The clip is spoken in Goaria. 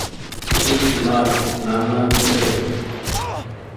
اي مآر نآنآ ڇي۔